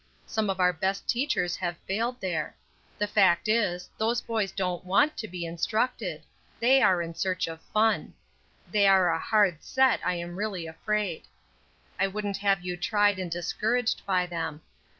Some of our best teachers have failed there. The fact is, those boys don't want to be instructed; they are in search of fun. They are a hard set, I am really afraid. I wouldn't have you tried and discouraged by them.